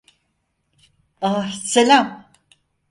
Ah, selam.